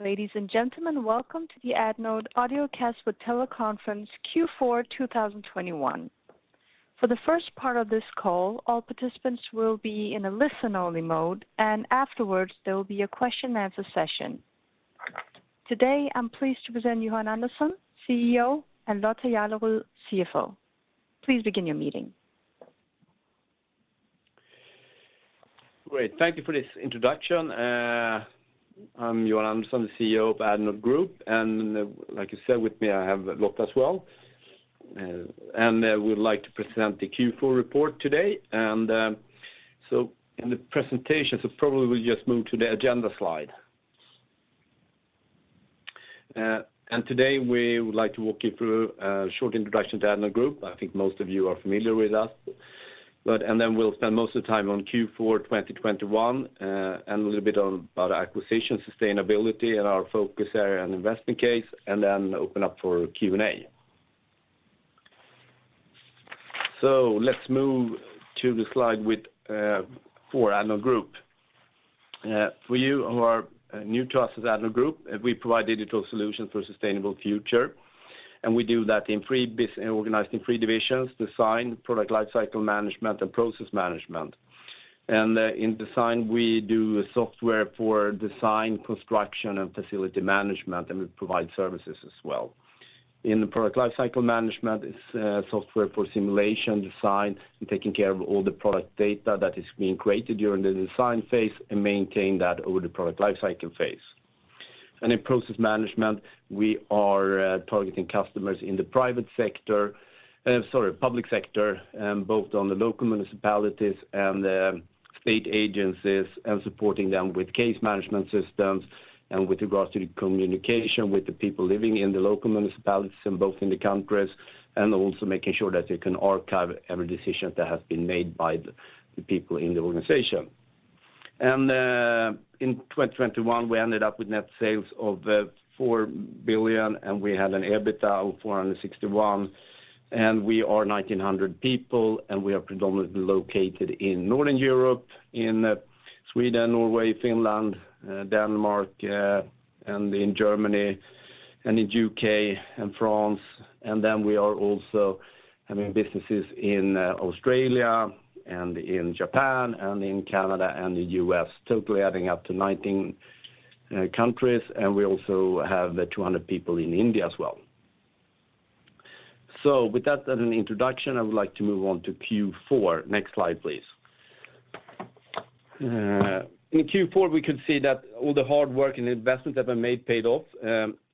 Ladies and gentlemen, welcome to the Addnode Audiocast for Teleconference Q4 2021. For the first part of this call, all participants will be in a listen-only mode, and afterwards, there will be a question and answer session. Today, I'm pleased to present Johan Andersson, CEO, and Lotta Jarleryd, CFO. Please begin your meeting. Great. Thank you for this introduction. I'm Johan Andersson, the CEO of Addnode Group, and like you said, with me, I have Lotta as well. We'd like to present the Q4 report today. In the presentation, probably we'll just move to the agenda slide. Today, we would like to walk you through a short introduction to Addnode Group. I think most of you are familiar with us. Then we'll spend most of the time on Q4 2021, and a little bit about acquisition, sustainability, and our focus area and investment case, and then open up for Q&A. Let's move to the slide with for Addnode Group. For you who are new to us as Addnode Group, we provide digital solutions for sustainable future, and we do that organized in three divisions: Design, Product Lifecycle Management, and Process Management. In Design, we do software for design, construction, and facility management, and we provide services as well. In Product Lifecycle Management is software for simulation design and taking care of all the product data that is being created during the design phase and maintain that over the product lifecycle phase. In Process Management, we are targeting customers in the public sector, both on the local municipalities and state agencies, and supporting them with case management systems and with regards to the communication with the people living in the local municipalities and both in the countries, and also making sure that they can archive every decision that has been made by the people in the organization. In 2021, we ended up with net sales of 4 billion, and we had an EBITDA of 461 million, and we are 1,900 people, and we are predominantly located in Northern Europe, in Sweden, Norway, Finland, Denmark, and in Germany, and in the U.K. and France. Then we are also having businesses in Australia and in Japan and in Canada and the US, totally adding up to 19 countries. We also have 200 people in India as well. With that as an introduction, I would like to move on to Q4. Next slide, please. In Q4, we could see that all the hard work and investments that were made paid off.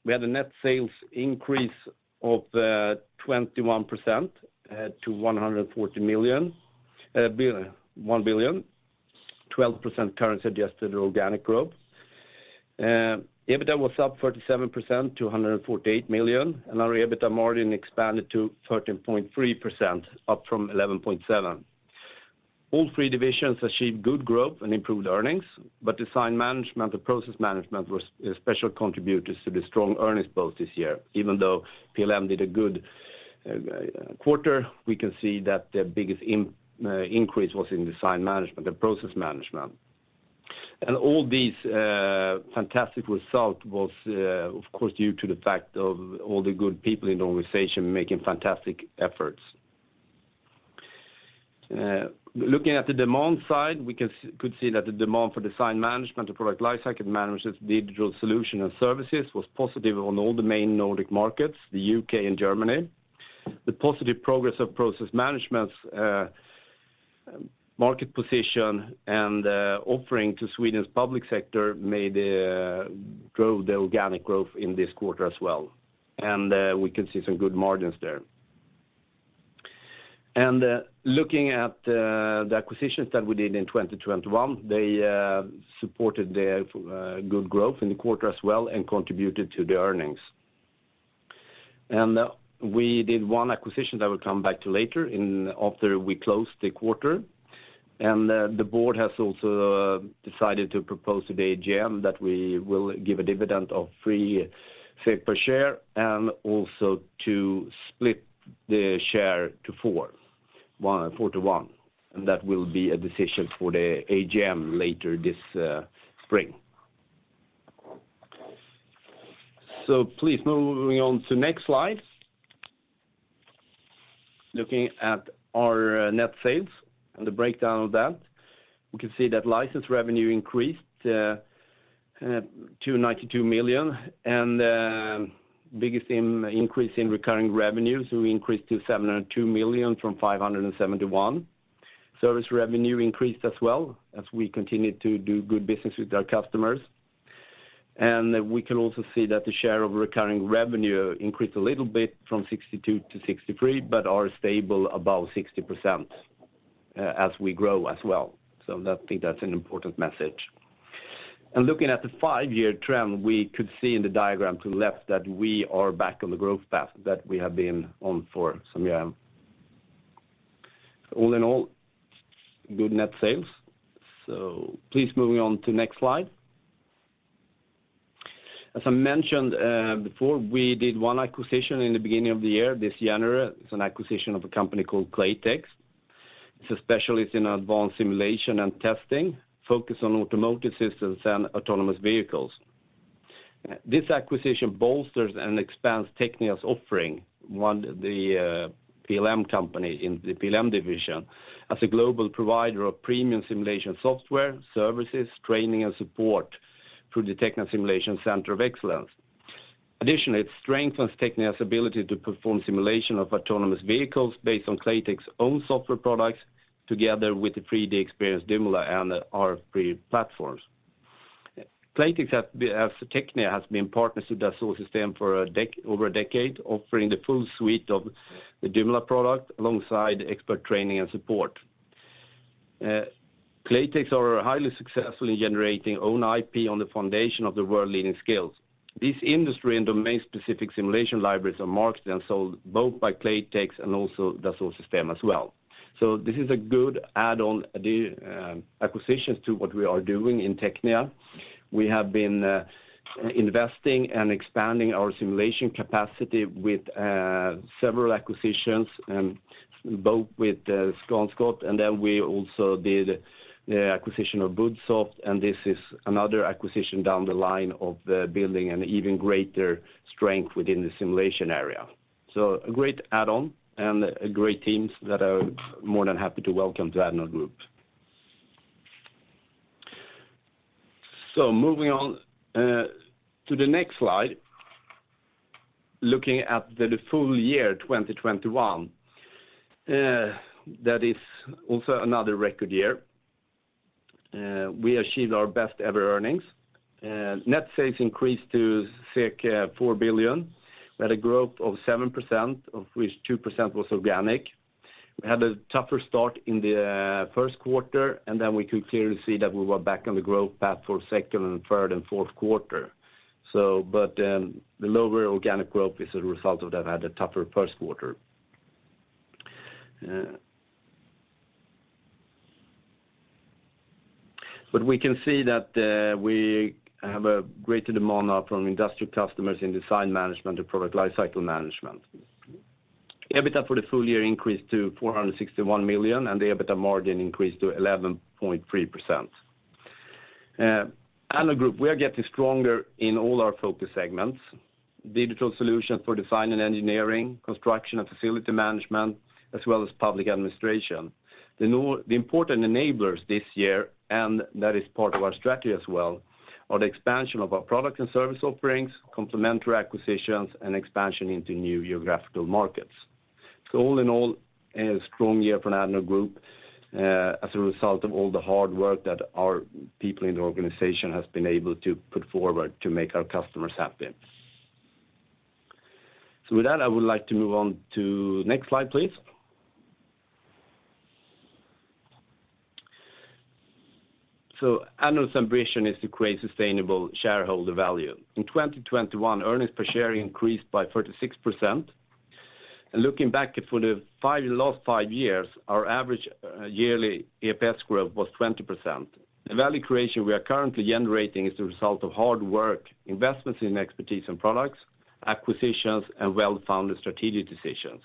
We had a net sales increase of 21% to 1.012 billion, 12% currency-adjusted organic growth. EBITDA was up 37% to 148 million, and our EBITDA margin expanded to 13.3%, up from 11.7%. All three divisions achieved good growth and improved earnings, but Design Management and Process Management was special contributors to the strong earnings both this year. Even though PLM did a good quarter, we can see that the biggest increase was in Design Management and Process Management. All these fantastic result was, of course, due to the fact of all the good people in the organization making fantastic efforts. Looking at the demand side, we could see that the demand for Design Management and Product Lifecycle Management's digital solution and services was positive on all the main Nordic markets, the U.K. and Germany. The positive progress of Process Management's market position and offering to Sweden's public sector made grow the organic growth in this quarter as well, and we can see some good margins there. Looking at the acquisitions that we did in 2021, they supported the good growth in the quarter as well and contributed to the earnings. We did one acquisition that we'll come back to later after we closed the quarter. The board has also decided to propose to the AGM that we will give a dividend of 3 per share and also to split the share four to one, and that will be a decision for the AGM later this spring. Please, moving on to next slide. Looking at our net sales and the breakdown of that, we can see that license revenue increased to 92 million, and biggest increase in recurring revenues, we increased to 702 million from 571 million. Service revenue increased as well as we continued to do good business with our customers. We can also see that the share of recurring revenue increased a little bit from 62 to 63, but are stable above 60%, as we grow as well. I think that's an important message. Looking at the five-year trend, we could see in the diagram to the left that we are back on the growth path that we have been on for some year. All in all, good net sales. Please moving on to next slide. As I mentioned, before, we did one acquisition in the beginning of the year. This January, it's an acquisition of a company called Claytex. It's a specialist in advanced simulation and testing, focused on automotive systems and autonomous vehicles. This acquisition bolsters and expands TECHNIA's offering of the PLM company in the PLM division, as a global provider of premium simulation software, services, training, and support through the TECHNIA Simulation Center of Excellence. Additionally, it strengthens TECHNIA's ability to perform simulation of autonomous vehicles based on Claytex's own software products, together with the 3DEXPERIENCE SIMULIA and our PLM platforms. TECHNIA has been partners with Dassault Systèmes for over a decade, offering the full suite of the SIMULIA product alongside expert training and support. Claytex are highly successful in generating own IP on the foundation of the world-leading skills. These industry and domain-specific simulation libraries are marketed and sold both by Claytex and also Dassault Systèmes as well. This is a good add-on acquisition to what we are doing in TECHNIA. We have been investing and expanding our simulation capacity with several acquisitions, both with Transcat, and then we also did the acquisition of Budsoft, and this is another acquisition down the line of the building and even greater strength within the simulation area. A great add-on and great teams that are more than happy to welcome to Addnode Group. Moving on to the next slide, looking at the full year 2021, that is also another record year. We achieved our best-ever earnings. Net sales increased to 4 billion at a growth of 7%, of which 2% was organic. We had a tougher start in the first quarter, and then we could clearly see that we were back on the growth path for second and third and fourth quarter. The lower organic growth is a result of that we had a tougher first quarter. We can see that we have a greater demand now from industrial customers in Design Management and Product Lifecycle Management. EBITDA for the full year increased to 461 million, and the EBITDA margin increased to 11.3%. Addnode Group, we are getting stronger in all our focus segments, digital solutions for design and engineering, construction and facility management, as well as public administration. The important enablers this year, and that is part of our strategy as well, are the expansion of our product and service offerings, complementary acquisitions, and expansion into new geographical markets. All in all, a strong year for Addnode Group, as a result of all the hard work that our people in the organization has been able to put forward to make our customers happy. With that, I would like to move on to next slide, please. Addnode's ambition is to create sustainable shareholder value. In 2021, earnings per share increased by 36%. Looking back over the last five years, our average yearly EPS growth was 20%. The value creation we are currently generating is the result of hard work, investments in expertise and products, acquisitions, and well-founded strategic decisions.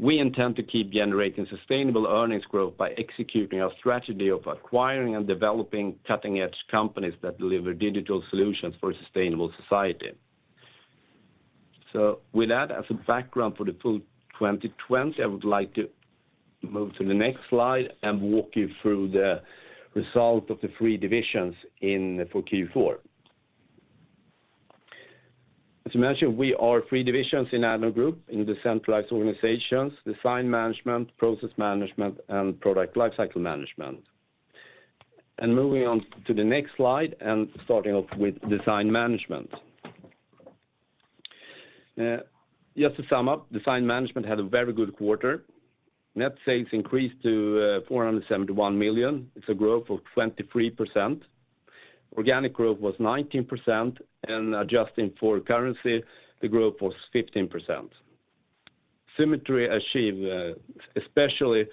We intend to keep generating sustainable earnings growth by executing our strategy of acquiring and developing cutting-edge companies that deliver digital solutions for a sustainable society. With that as a background for the full 2020, I would like to move to the next slide and walk you through the results of the three divisions for Q4. As I mentioned, we have three divisions in Addnode Group, the centralized organizations, Design Management, Process Management, and Product Lifecycle Management. Moving on to the next slide and starting off with Design Management. Just to sum up, Design Management had a very good quarter. Net sales increased to 471 million. It's a growth of 23%. Organic growth was 19%, and adjusting for currency, the growth was 15%. Symetri achieved especially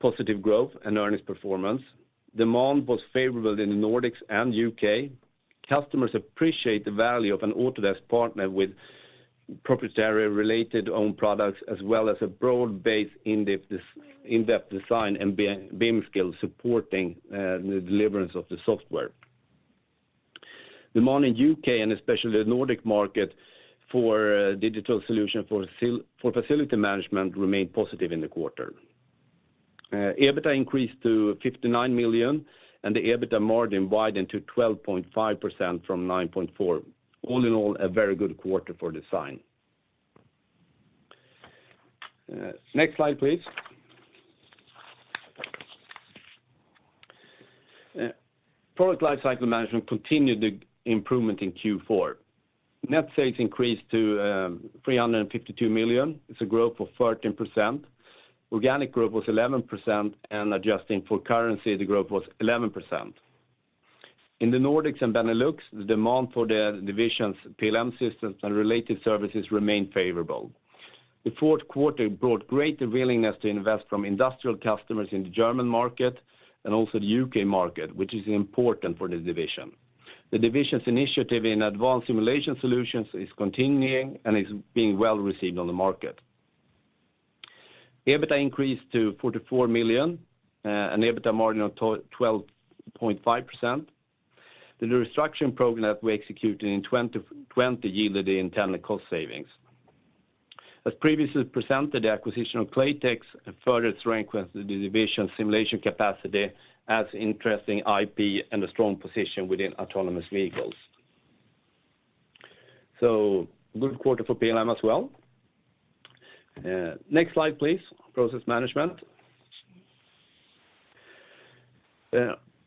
positive growth and earnings performance. Demand was favorable in the Nordics and U.K. Customers appreciate the value of an Autodesk partner with proprietary related own products as well as a broad base in-depth design and BIM skills supporting the delivery of the software. Demand in U.K. and especially the Nordic market for digital solution for facility management remained positive in the quarter. EBITDA increased to 59 million, and the EBITDA margin widened to 12.5% from 9.4%. All in all, a very good quarter for design. Next slide, please. Product Lifecycle Management continued the improvement in Q4. Net sales increased to 352 million. It's a growth of 13%. Organic growth was 11%, and adjusting for currency, the growth was 11%. In the Nordics and Benelux, the demand for the division's PLM systems and related services remained favorable. The fourth quarter brought greater willingness to invest from industrial customers in the German market and also the U.K. market, which is important for this division. The division's initiative in advanced simulation solutions is continuing and is being well received on the market. EBITDA increased to 44 million, and EBITDA margin of 12.5%. The restructuring program that we executed in 2020 yielded technical cost savings. As previously presented, the acquisition of Claytex further strengthened the division simulation capacity as interesting IP and a strong position within autonomous vehicles. Good quarter for PLM as well. Next slide, please. Process Management.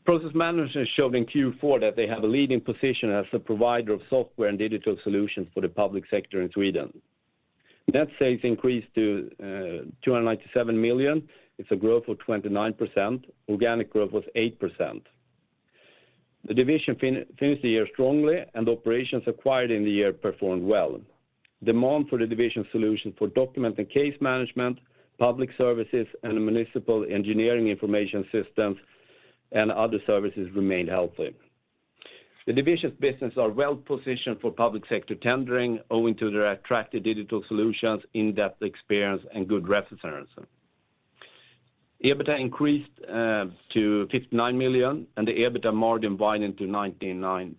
Process Management showed in Q4 that they have a leading position as a provider of software and digital solutions for the public sector in Sweden. Net sales increased to 297 million. It's a growth of 29%. Organic growth was 8%. The division finished the year strongly, and operations acquired in the year performed well. Demand for the division solution for document and case management, public services, and municipal engineering information systems and other services remained healthy. The division's business is well-positioned for public sector tendering owing to their attractive digital solutions, in-depth experience, and good reference. EBITDA increased to 59 million, and the EBITDA margin widened to 99%.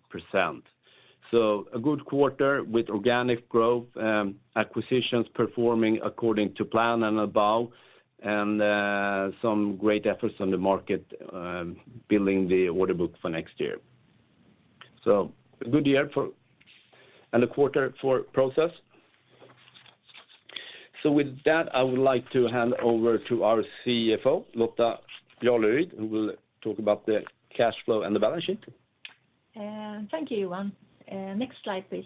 A good quarter with organic growth, acquisitions performing according to plan and above, and some great efforts on the market, building the order book for next year. A good year and a quarter for Process. With that, I would like to hand over to our CFO, Lotta Jarleryd, who will talk about the cash flow and the balance sheet. Thank you, Johan. Next slide, please.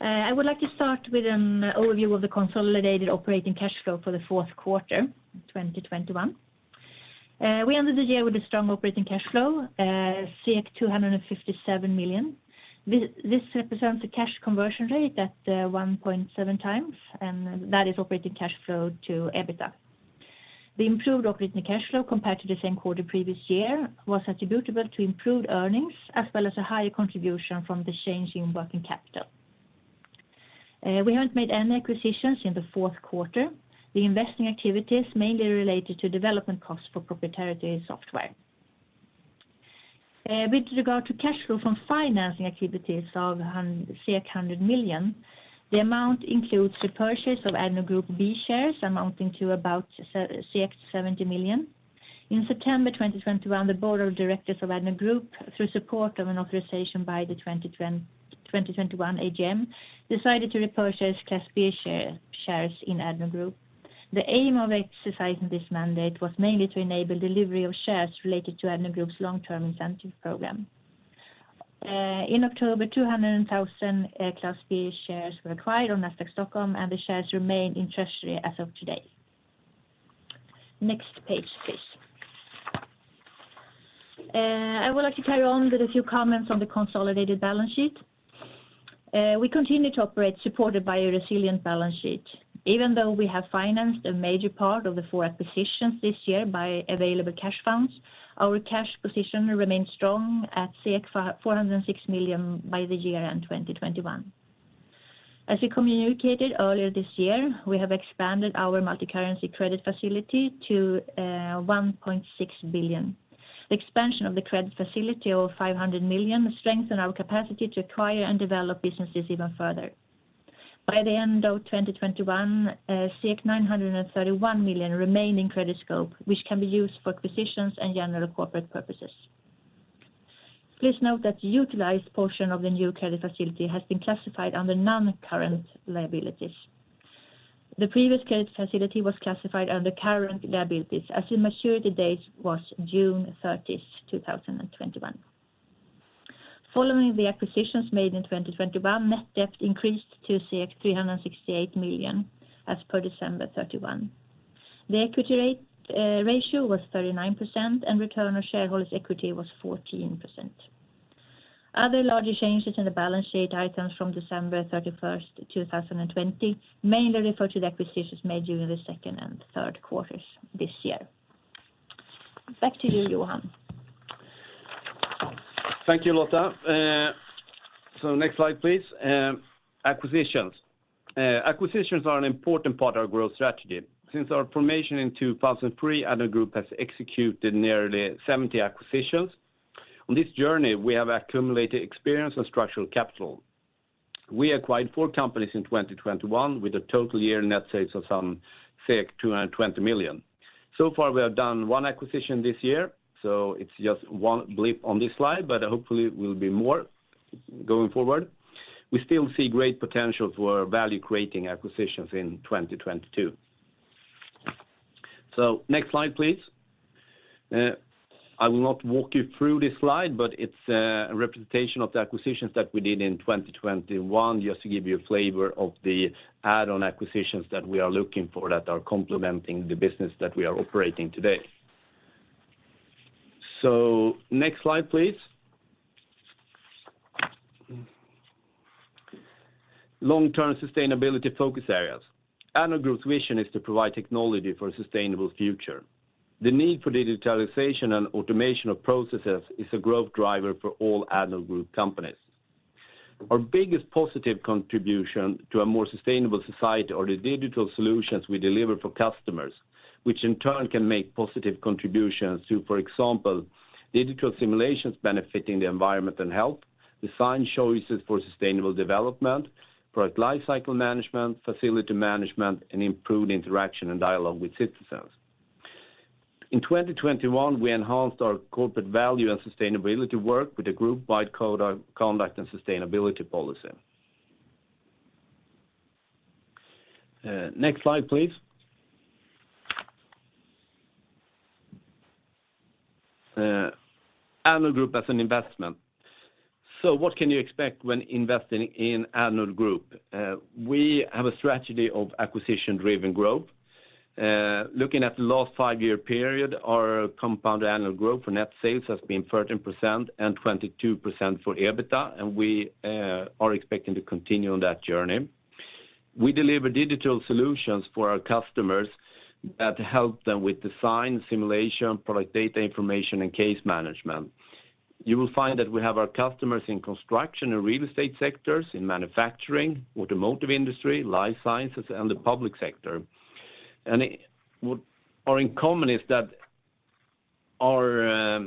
I would like to start with an overview of the consolidated operating cash flow for the fourth quarter, 2021. We ended the year with a strong operating cash flow, 257 million. This represents a cash conversion rate at 1.7 times, and that is operating cash flow to EBITDA. The improved operating cash flow compared to the same quarter previous year was attributable to improved earnings, as well as a higher contribution from the change in working capital. We haven't made any acquisitions in the fourth quarter. The investing activities mainly related to development costs for proprietary software. With regard to cash flow from financing activities of 100 million, the amount includes the purchase of Addnode Group B shares amounting to about 70 million. In September 2021, the board of directors of Addnode Group, through support of an authorization by the 2021 AGM, decided to repurchase Class B shares in Addnode Group. The aim of exercising this mandate was mainly to enable delivery of shares related to Addnode Group's long-term incentive program. In October, 200,000 Class B shares were acquired on Nasdaq Stockholm, and the shares remain in treasury as of today. Next page, please. I would like to carry on with a few comments on the consolidated balance sheet. We continue to operate supported by a resilient balance sheet. Even though we have financed a major part of the four acquisitions this year by available cash funds, our cash position remains strong at 406 million by the year-end 2021. As we communicated earlier this year, we have expanded our multicurrency credit facility to 1.6 billion. The expansion of the credit facility of 500 million strengthen our capacity to acquire and develop businesses even further. By the end of 2021, 931 million remain in credit scope, which can be used for acquisitions and general corporate purposes. Please note that the utilized portion of the new credit facility has been classified under non-current liabilities. The previous credit facility was classified under current liabilities as the maturity date was June 30, 2021. Following the acquisitions made in 2021, net debt increased to 368 million as per December 31. The equity rate, ratio was 39%, and return on shareholders' equity was 14%. Other larger changes in the balance sheet items from December 31, 2020, mainly referred to the acquisitions made during the second and third quarters this year. Back to you, Johan. Thank you, Lotta. Next slide, please. Acquisitions. Acquisitions are an important part of our growth strategy. Since our formation in 2003, Addnode Group has executed nearly 70 acquisitions. On this journey, we have accumulated experience and structural capital. We acquired four companies in 2021 with a total year net sales of some 220 million. So far, we have done one acquisition this year, so it's just one blip on this slide, but hopefully it will be more going forward. We still see great potential for value-creating acquisitions in 2022. Next slide, please. I will not walk you through this slide, but it's a representation of the acquisitions that we did in 2021, just to give you a flavor of the add-on acquisitions that we are looking for that are complementing the business that we are operating today. Next slide, please. Long-term sustainability focus areas. Addnode Group's vision is to provide technology for a sustainable future. The need for digitalization and automation of processes is a growth driver for all Addnode Group companies. Our biggest positive contribution to a more sustainable society are the digital solutions we deliver for customers, which in turn can make positive contributions to, for example, digital simulations benefiting the environment and health, design choices for sustainable development, product lifecycle management, facility management, and improved interaction and dialogue with citizens. In 2021, we enhanced our corporate value and sustainability work with a group-wide code of conduct and sustainability policy. Next slide, please. Addnode Group as an investment. What can you expect when investing in Addnode Group? We have a strategy of acquisition-driven growth. Looking at the last five-year period, our compound annual growth for net sales has been 13% and 22% for EBITDA, and we are expecting to continue on that journey. We deliver digital solutions for our customers that help them with design, simulation, product data information, and case management. You will find that we have our customers in construction and real estate sectors, in manufacturing, automotive industry, life sciences, and the public sector. What they have in common is that our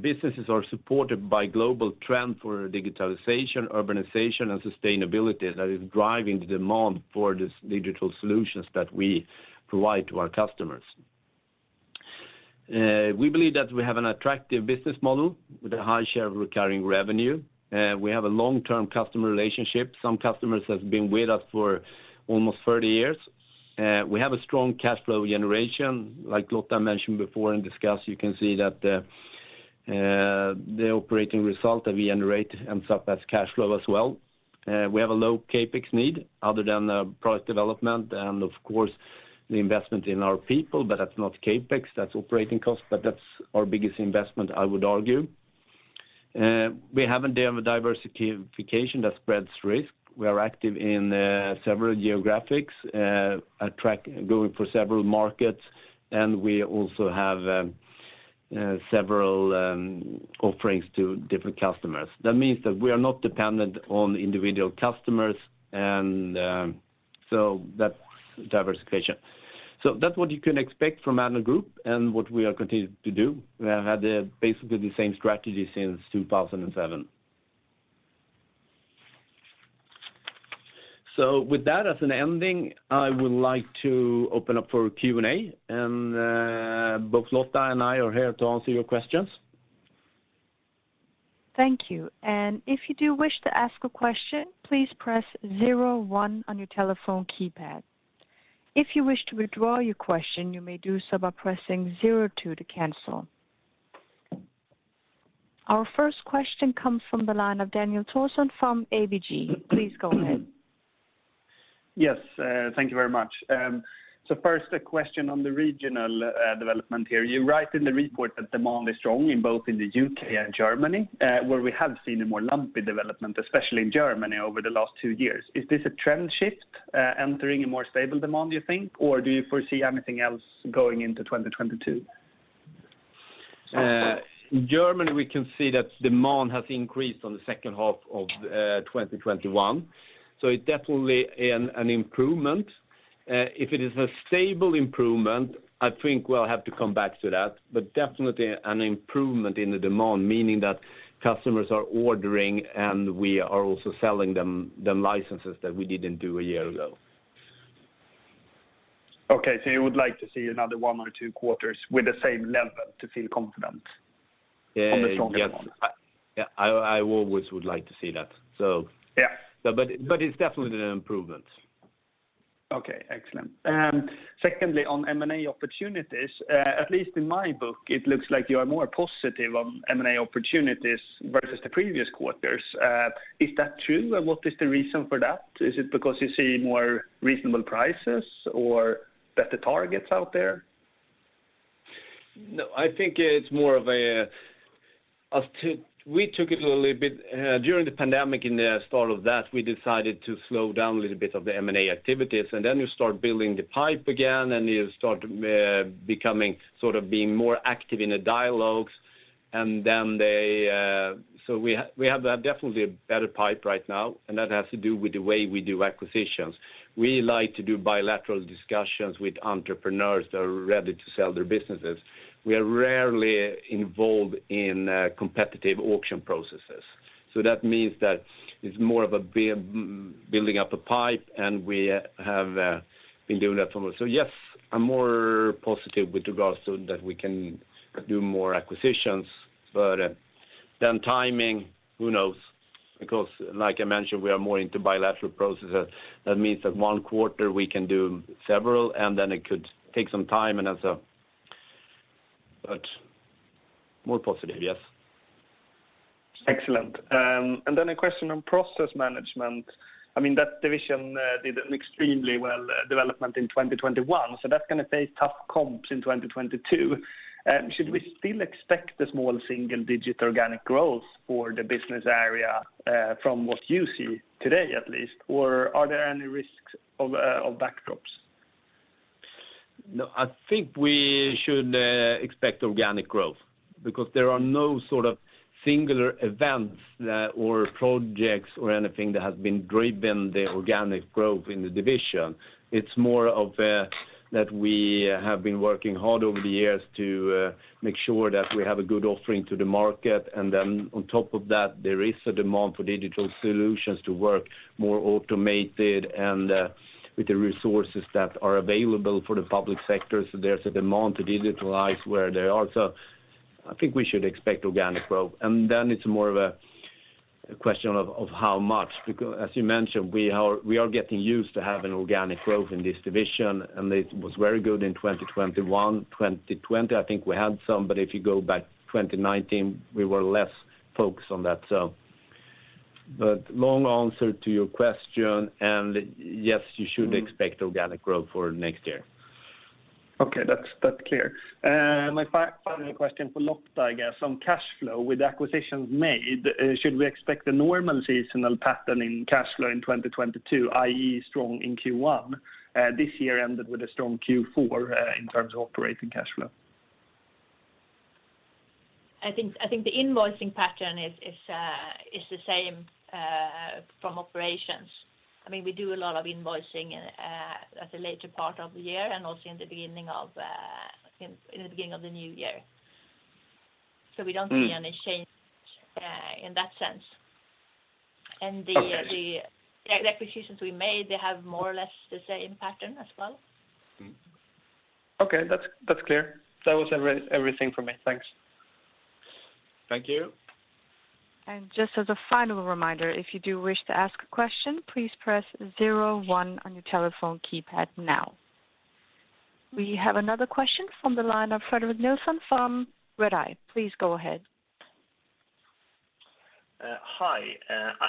businesses are supported by global trend for digitalization, urbanization, and sustainability that is driving the demand for these digital solutions that we provide to our customers. We believe that we have an attractive business model with a high share of recurring revenue. We have a long-term customer relationship. Some customers have been with us for almost 30 years. We have a strong cash flow generation, like Lotta mentioned before in the discussion. You can see that the operating result that we generate ends up as cash flow as well. We have a low CapEx need other than product development and of course, the investment in our people, but that's not CapEx, that's operating costs, but that's our biggest investment, I would argue. We have a diversification that spreads risk. We are active in several geographics, going for several markets, and we also have several offerings to different customers. That means that we are not dependent on individual customers and, so that's diversification. That's what you can expect from Addnode Group and what we are continuing to do. We have had basically the same strategy since 2007. With that as an ending, I would like to open up for a Q&A, and both Lotta and I are here to answer your questions. Thank you. If you do wish to ask a question, please press zero one on your telephone keypad. If you wish to withdraw your question, you may do so by pressing zero two to cancel. Our first question comes from the line of Daniel Thorsson from ABG. Please go ahead. Yes, thank you very much. So first a question on the regional development here. You write in the report that demand is strong in both in the U.K. and Germany, where we have seen a more lumpy development, especially in Germany over the last two years. Is this a trend shift entering a more stable demand, do you think? Or do you foresee anything else going into 2022? In Germany, we can see that demand has increased in the second half of 2021. It is definitely an improvement. If it is a stable improvement, I think we'll have to come back to that, but definitely an improvement in the demand, meaning that customers are ordering, and we are also selling them licenses that we didn't sell a year ago. Okay, you would like to see another one or two quarters with the same level to feel confident on the stronger one? Yeah, I always would like to see that, so. Yeah. It's definitely an improvement. Okay, excellent. Secondly, on M&A opportunities, at least in my book, it looks like you are more positive on M&A opportunities versus the previous quarters. Is that true? What is the reason for that? Is it because you see more reasonable prices or better targets out there? No, I think it's more of a, as to, we took it a little bit during the pandemic at the start of that, we decided to slow down a little bit of the M&A activities, and then you start building the pipe again, becoming sort of being more active in the dialogues. We have definitely a better pipe right now, and that has to do with the way we do acquisitions. We like to do bilateral discussions with entrepreneurs that are ready to sell their businesses. We are rarely involved in competitive auction processes. That means that it's more of a building up a pipe, and we have been doing that for. Yes, I'm more positive with regards to that we can do more acquisitions. Timing, who knows? Of course, like I mentioned, we are more into bilateral processes. That means that one quarter we can do several, and then it could take some time. More positive, yes. Excellent. A question on Process Management. I mean, that division did an extremely well development in 2021, so that's gonna face tough comps in 2022. Should we still expect the small single-digit organic growth for the business area, from what you see today at least? Are there any risks of setbacks? No, I think we should expect organic growth because there are no sort of singular events, or projects, or anything that has driven the organic growth in the division. It's more of that we have been working hard over the years to make sure that we have a good offering to the market. On top of that, there is a demand for digital solutions to work more automated and with the resources that are available for the public sector. There's a demand to digitalize where they are. I think we should expect organic growth. It's more of a question of how much. Because as you mentioned, we are getting used to having organic growth in this division, and it was very good in 2021. 2020, I think we had some, but if you go back 2019, we were less focused on that. Long answer to your question, and yes, you should expect organic growth for next year. Okay, that's clear. My final question for Lotta, I guess, on cash flow. With the acquisitions made, should we expect a normal seasonal pattern in cash flow in 2022, i.e., strong in Q1? This year ended with a strong Q4 in terms of operating cash flow. I think the invoicing pattern is the same from operations. I mean, we do a lot of invoicing at the latter part of the year and also in the beginning of the new year. We don't see any change in that sense. Okay. The acquisitions we made, they have more or less the same pattern as well. Okay, that's clear. That was everything for me. Thanks. Thank you. Just as a final reminder, if you do wish to ask a question, please press zero one on your telephone keypad now. We have another question from the line of Fredrik Nilsson from Redeye. Please go ahead. Hi.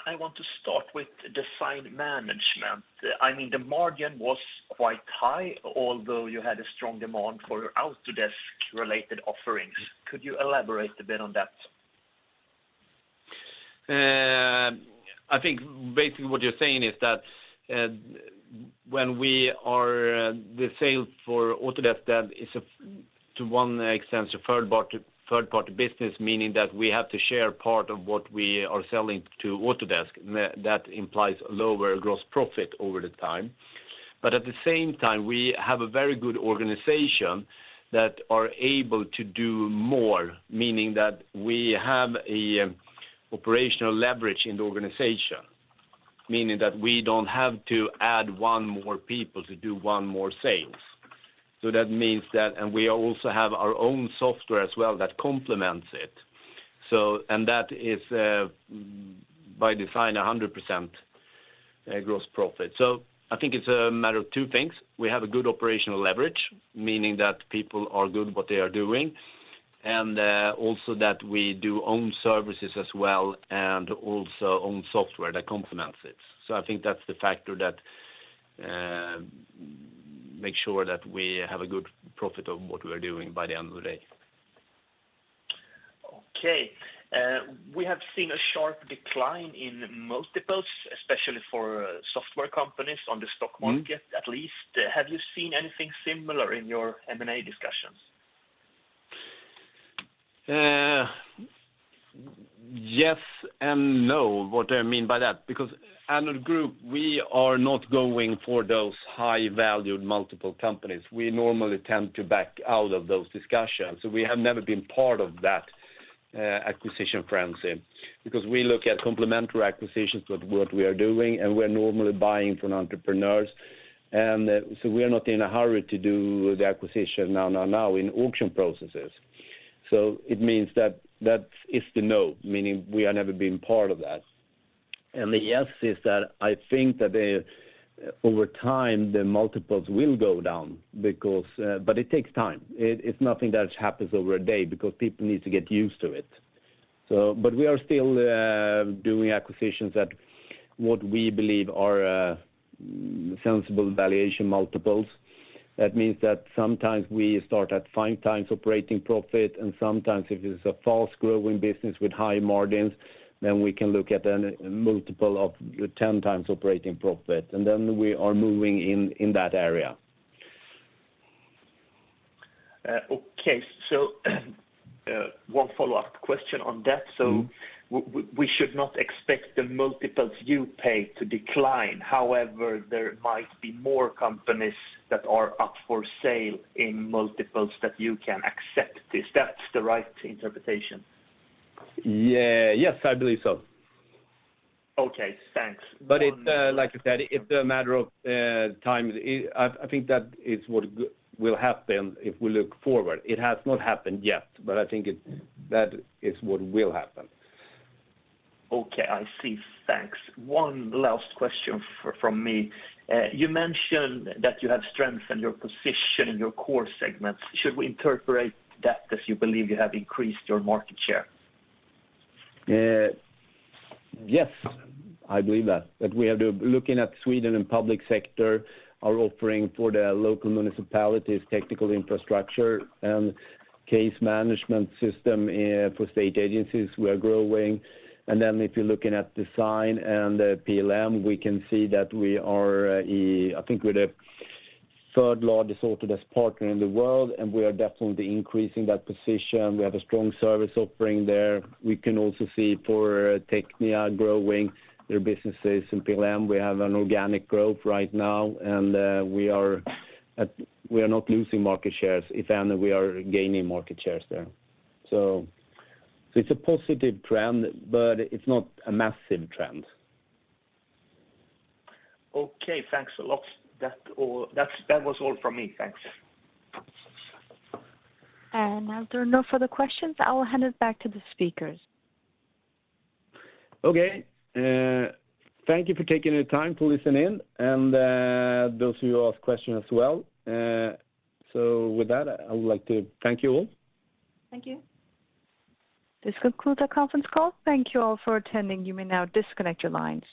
I want to start with Design Management. I mean, the margin was quite high, although you had a strong demand for your Autodesk-related offerings. Could you elaborate a bit on that? I think basically what you're saying is that, when we are the sales for Autodesk, that is, to some extent, a third party business, meaning that we have to share part of what we are selling to Autodesk. That implies lower gross profit over time. At the same time, we have a very good organization that is able to do more, meaning that we have an operational leverage in the organization. Meaning that we don't have to add more people to do more sales. That means that we also have our own software as well that complements it, and that is, by design, 100% gross profit. I think it's a matter of two things. We have a good operational leverage, meaning that people are good at what they are doing, and also that we do own services as well and also own software that complements it. I think that's the factor that make sure that we have a good profit on what we are doing by the end of the day. Okay. We have seen a sharp decline in multiples, especially for software companies on the stock market, at least. Have you seen anything similar in your M&A discussions? Yes and no. What I mean by that, because Addnode Group, we are not going for those high-valued multiple companies. We normally tend to back out of those discussions. We have never been part of that, acquisition frenzy because we look at complementary acquisitions with what we are doing, and we're normally buying from entrepreneurs. We are not in a hurry to do the acquisition now in auction processes. It means that that is the no, meaning we have never been part of that. The yes is that I think that, over time, the multiples will go down because, but it takes time. It's nothing that happens over a day because people need to get used to it. But we are still, doing acquisitions at what we believe are, sensible valuation multiples. That means that sometimes we start at 5x operating profit, and sometimes if it's a fast-growing business with high margins, then we can look at a multiple of 10x operating profit, and then we are moving in that area. Okay. One follow-up question on that. Mm-hmm. We should not expect the multiples you pay to decline. However, there might be more companies that are up for sale in multiples that you can accept. Is that the right interpretation? Yeah. Yes, I believe so. Okay, thanks. One more. Like you said, it's a matter of time. I think that is what will happen if we look forward. It has not happened yet, but I think that is what will happen. Okay, I see. Thanks. One last question from me. You mentioned that you have strengthened your position in your core segments. Should we interpret that as you believe you have increased your market share? Yes, I believe that we have to looking at Sweden and public sector, our offering for the local municipalities, technical infrastructure and case management system, for state agencies, we are growing. If you're looking at design and PLM, we can see that we are, I think we're the third largest Autodesk partner in the world, and we are definitely increasing that position. We have a strong service offering there. We can also see for TECHNIA growing their businesses in PLM. We have an organic growth right now, and we are not losing market shares. If any, we are gaining market shares there. So it's a positive trend, but it's not a massive trend. Okay, thanks a lot. That was all from me. Thanks. As there are no further questions, I will hand it back to the speakers. Okay. Thank you for taking the time to listen in and, those of you who asked questions as well. With that, I would like to thank you all. Thank you. This concludes our conference call. Thank you all for attending. You may now disconnect your lines.